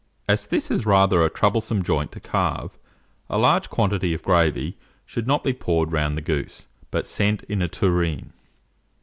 As this is rather a troublesome joint to carve, a large quantity of gravy should not be poured round the goose, but sent in a tureen.